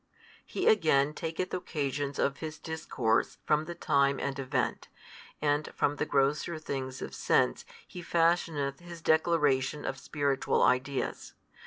He again taketh occasions of His Discourse from the time and event, and from the grosser things of sense He fashioneth His declaration of spiritual ideas.